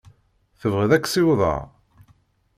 Tebɣiḍ ad k-ssiwḍeɣ?